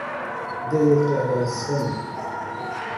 declaração